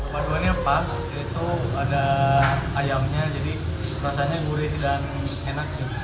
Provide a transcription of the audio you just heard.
paduannya pas itu ada ayamnya jadi rasanya gurih dan enak